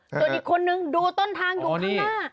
ส่วนอีกคนนึงดูต้นทางอยู่ข้างหน้า